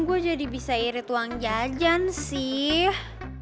gue jadi bisa irit uang jajan sih